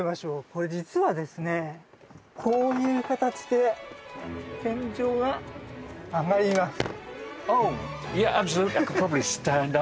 これ実はですねこういう形で天井が上がります。